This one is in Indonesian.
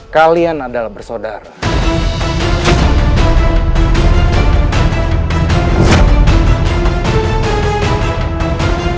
kau sudah sudah dengan langit